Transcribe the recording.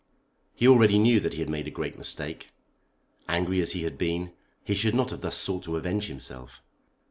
He already knew that he had made a great mistake. Angry as he had been, he should not have thus sought to avenge himself.